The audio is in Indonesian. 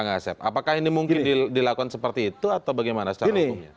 bang asep apakah ini mungkin dilakukan seperti itu atau bagaimana secara hukumnya